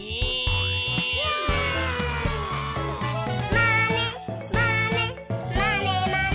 「まねまねまねまね」